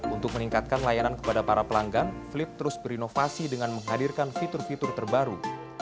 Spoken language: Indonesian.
untuk meningkatkan layanan kepada para pelanggan flip terus berinovasi dengan menghadirkan fitur fitur terbaru